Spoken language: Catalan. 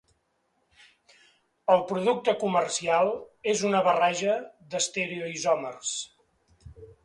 El producte comercial és una barreja d'estereoisòmers.